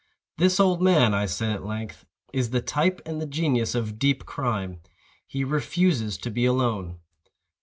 "This old man," I said at length, "is the type and the genius of deep crime. He refuses to be alone.